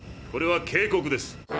これは警告です」。